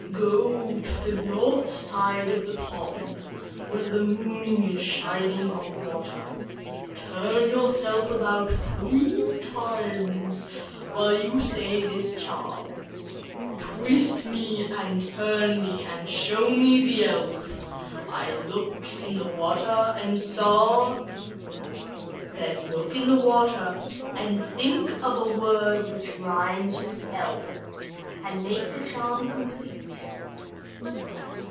Go to the north side of the pond, where the moon is shining on the water, turn yourself around three times, while you say this charm: 'Twist me and turn me and show me the elf I looked in the water and saw_ ' Then look in the water, and think of a word which rhymes with 'elf' and makes the charm complete."